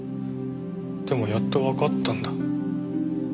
でもやっとわかったんだ。